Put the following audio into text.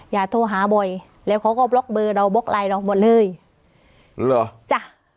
อย่าโทรหาบ่อยแล้วเขาก็บล็อกเบอร์เราบล็อกไลน์เราหมดเลยเหรอจ้ะ